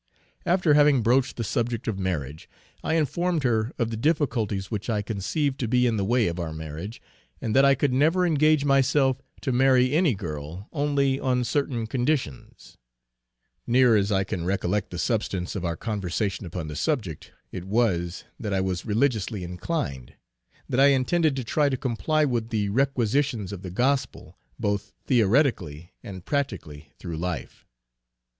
After having broached the subject of marriage, I informed her of the difficulties which I conceived to be in the way of our marriage, and that I could never engage myself to marry any girl only on certain conditions; near as I can recollect the substance of our conversation upon the subject, it was, that I was religiously inclined; that I intended to try to comply with the requisitions of the gospel, both theoretically and practically through life.